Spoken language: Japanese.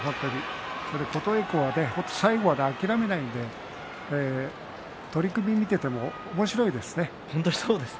琴恵光は本当に最後まで諦めないので取組を見ていてもおもしろいですね。